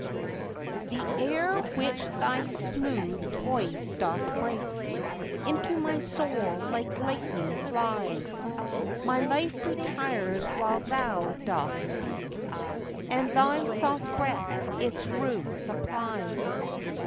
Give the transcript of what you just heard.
The air which thy smooth voice doth break, Into my soul like lightning flies; My life retires while thou dost speak, And thy soft breath its room supplies.